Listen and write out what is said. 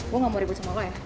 gue gak mau ribut sama lo ya